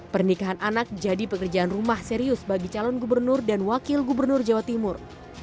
pernikahan anak jadi pekerjaan rumah serius bagi calon gubernur dan wakil gubernur jawa timur